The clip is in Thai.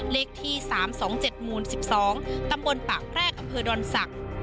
เลขที่๓๒๗๑๒ตำบลปากแพร่กอดศักดิ์